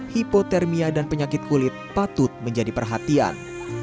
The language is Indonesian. hipotermia dan penyakit kulit patut menjadi perhatian